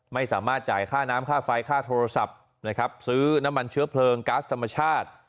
ไม่สามารถจ่ายค่าน้ำค่าไฟค่าโทรศัพท์นะครับซื้อน้ำมันเชื้อเพลิงก๊าซธรรมชาติ